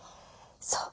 そう。